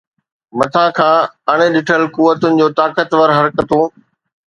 مٿان کان اڻ ڏٺل قوتن جون طاقتور حرڪتون.